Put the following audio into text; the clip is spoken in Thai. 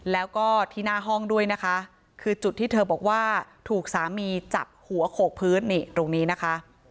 แล้วก็ที่หน้าห้องด้วยนะคะคือจุดที่เธอบอกว่าถูกสามีจับหัวโขกพื้นนี่ตรงนี้นะคะ